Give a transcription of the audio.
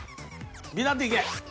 ビタッといけ。